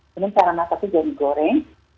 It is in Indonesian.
tapi cara masaknya jangan di goreng